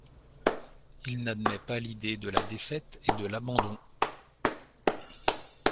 Il n’admet pas l’idée de la défaite et de l’abandon.